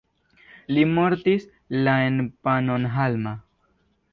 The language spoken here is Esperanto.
Li mortis la en Pannonhalma.